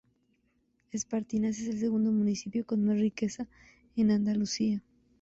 Espartinas es el segundo municipio con más riqueza en Andalucía.